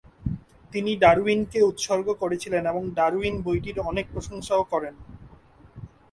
তিনি ডারউইনকে উৎসর্গ করেছিলেন এবং ডারউইন বইটির অনেক প্রশংসাও করেন।